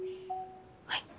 はい。